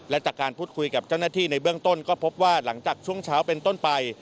และจากการพูดคุยกับเจ้าหน้าที่ในเบื้องต้นก็พบว่าหลังจากช่วงเช้าเป็นต้นไป